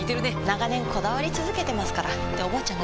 長年こだわり続けてますからっておばあちゃん